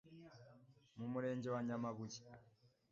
mu Murenge wa Nyamabuye,